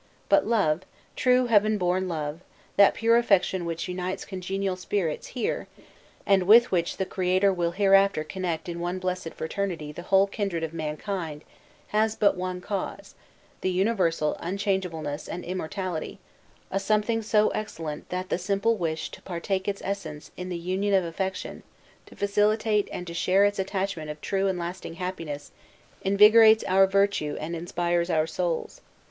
But love, true heaven born love, that pure affection which unites congenial spirits here, and with which the Creator will hereafter connect in one blessed fraternity the whole kindred of mankind, has but one cause the universal unchangeableness and immortality, a something so excellent that the simple wish to partake its essence in the union of affection, to facilitate and to share its attainment of true and lasting happiness, invigorates our virtue and inspires our souls.